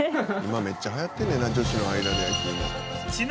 今めっちゃ流行ってんねんな女子の間で焼き芋。